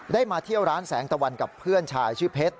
มาเที่ยวร้านแสงตะวันกับเพื่อนชายชื่อเพชร